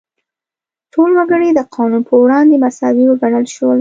ټول وګړي د قانون په وړاندې مساوي وګڼل شول.